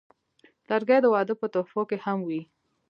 لرګی د واده په تحفو کې هم وي.